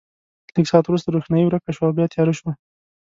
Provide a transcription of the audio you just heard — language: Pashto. لږ ساعت وروسته روښنايي ورکه شوه او بیا تیاره شوه.